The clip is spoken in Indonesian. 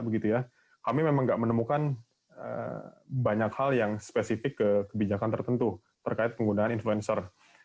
kami memang tidak menemukan banyak hal yang spesifik ke kebijakan tertentu terkait penggunaan influencer